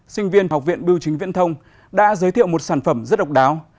sinh viên học viện biêu chính viễn thông đã giới thiệu một sản phẩm rất độc đáo